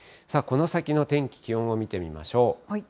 この先の天気、気温を見てみまし